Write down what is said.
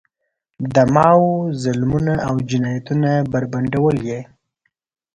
د ماوو ظلمونه او جنایتونه بربنډول یې.